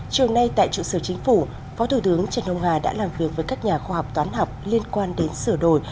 chiều nay tại trụ sở chính phủ phó thủ tướng trần hồng hà đã làm việc với các nhà khoa học toán học liên quan đến sửa đổi